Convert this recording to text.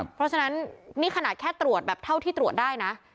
เพราะฉะนั้นนี่ขนาดแค่ตรวจแบบเท่าที่ตรวจได้นะ